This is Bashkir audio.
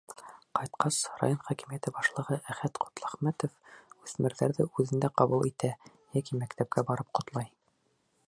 Ҡайтҡас, район хакимиәте башлығы Әхәт Ҡотләхмәтов үҫмерҙәрҙе үҙендә ҡабул итә йәки мәктәпкә барып ҡотлай.